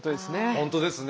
本当ですね。